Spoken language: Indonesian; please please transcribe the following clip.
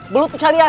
gelut tuh kalian